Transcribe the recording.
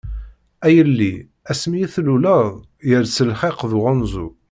A yelli asmi i tluleḍ, yers lxiq d uɣanzu.